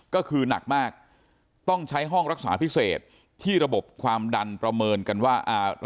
ก็คือหนักมากต้องใช้ห้องรักษาพิเศษที่ระบบความดันประเมินกันว่า